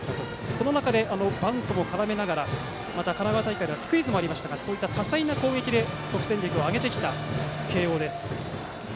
その中でバントも絡めながらまた、神奈川大会ではスクイズもありましたが多彩な攻撃で得点力を上げてきた慶応です。